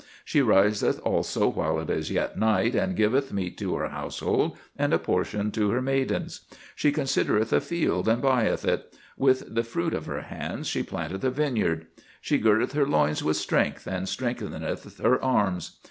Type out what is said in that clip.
She riseth also while it is yet night, and giveth meat to her household, and a portion to her maidens. She considereth a field, and buyeth it: with the fruit of her hands she planteth a vineyard. She girdeth her loins with strength, and strengtheneth her arms.